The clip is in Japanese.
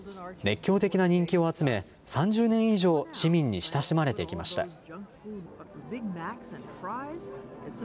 熱狂的な人気を集め３０年以上、市民に親しまれてきました。